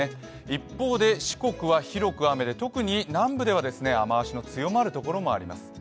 一方で四国は広く雨で、特に南部では雨足の強まる所もあります。